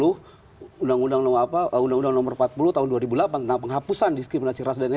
undang undang nomor empat puluh tahun dua ribu delapan tentang penghapusan diskriminasi ras dan lain lain